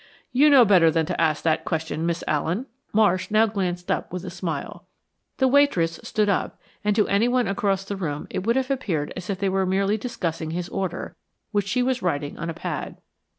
"You know better than to ask that question, Miss Allen." Marsh now glanced up with a smile. The waitress stood up, and to anyone across the room it would have appeared as if they were merely discussing his order, which she was writing on a pad.